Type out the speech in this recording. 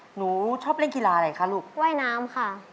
หนูชอบเล่นกีฬาอะไรคะลูกว่ายน้ำค่ะ